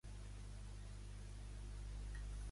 Em puc creure que haguem de rescatar aquest fill de puta.